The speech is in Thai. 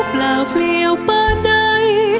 เปล่าเพลียวป่าใด